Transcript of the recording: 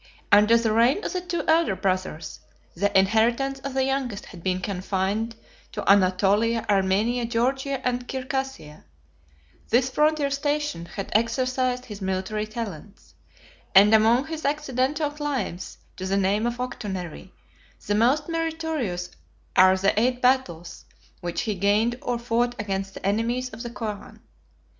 Under the reign of the two elder brothers, the inheritance of the youngest had been confined to Anatolia, Armenia, Georgia, and Circassia; this frontier station had exercised his military talents; and among his accidental claims to the name of Octonary, 91 the most meritorious are the eight battles which he gained or fought against the enemies of the Koran.